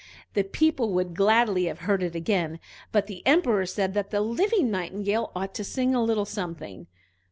The people would gladly have heard it again, but the Emperor said that the living Nightingale ought to sing a little something.